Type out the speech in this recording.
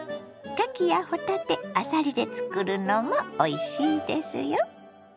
かきやほたてあさりで作るのもおいしいですよ。